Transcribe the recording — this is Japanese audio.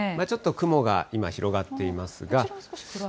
ちょっと雲が広がっていますが。